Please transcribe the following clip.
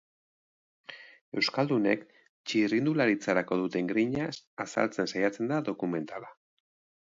Euskaldunek txirrindularitzarako duten grina azaltzen saiatzen da dokumentala.